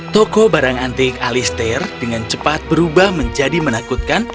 toko barang antik alistair dengan cepat berubah menjadi menakutkan